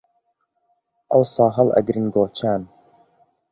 ئەوسا هەڵ ئەگرن گۆچان